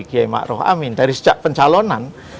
pak giyai ma'ruf amin dari sejak pencalonan